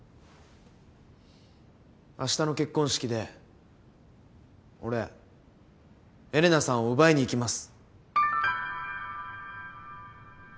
あしたの結婚式で俺エレナさんを奪いに行きます！